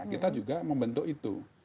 kita juga membentuk itu